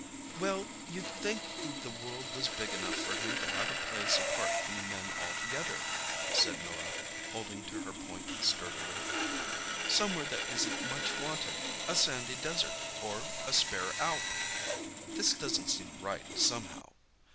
"Well, you'd think the world was big enough for him to have a place apart from men altogether," said Norah, holding to her point sturdily. "Somewhere that isn't much wanted—a sandy desert, or a spare Alp! This doesn't seem right, somehow.